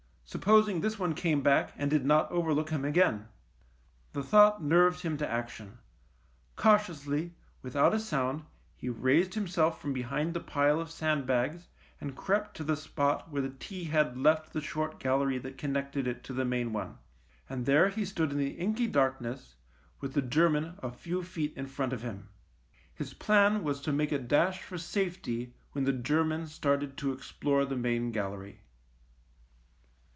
Supposing this one came back and did not overlook him again. The thought nerved him to action. Cautiously, without a sound he raised himself from be hind the pile of sandbags and crept to the spot where the T head left the short gallery that connected it to the main one, and there he stood in the inky darkness with the Ger man a few feet in front of him. His plan was to make a dash for safety when the Ger man started to explore the main galley.